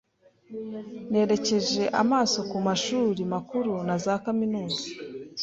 Nerekeje amaso ku mashuri makuru na za kaminuza